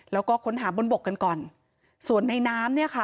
แล้วก็ค้นหาบนบกกันก่อนส่วนในน้ำเนี่ยค่ะ